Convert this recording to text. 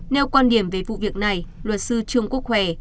nêu quan điểm về vụ việc này luật sư trung quốc khỏe